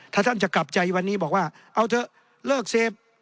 ถ้าท่านจะกลับใจวันนี้บอกว่าเอาเถอะเลิกเสพ